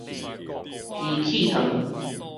機器糖